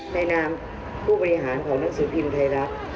นามผู้บริหารของหนังสือพิมพ์ไทยรัฐ